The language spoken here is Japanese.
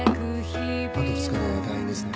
あと２日で退院ですね。